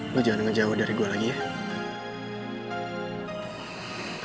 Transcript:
lo jangan ngejauh dari gue lagi ya